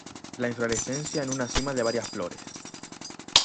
La inflorescencia en una cima de varias flores.